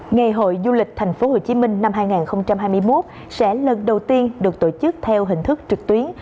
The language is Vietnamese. ngày hội du lịch thành phố hồ chí minh năm hai nghìn hai mươi một sẽ lần đầu tiên được tổ chức theo hình thức trực tuyến